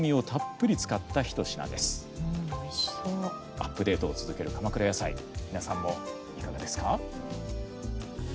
アップデートを続ける鎌倉やさい皆さんもいかがですか？